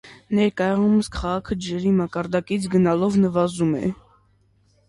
Ներկայումս քաղաքը ջրի մակարդակից գնալով նվազում է։